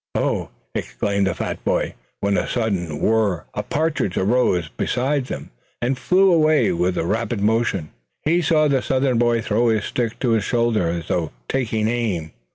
"Oh!" exclaimed the fat boy, when with a sudden whirr a partridge arose close beside them, and flew away with a rapid motion. He saw the Southern boy throw his stick to his shoulder, as though taking aim.